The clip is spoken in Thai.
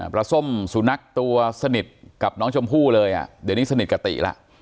ส้มสุนัขตัวสนิทกับน้องชมพู่เลยอ่ะเดี๋ยวนี้สนิทกับติแล้ว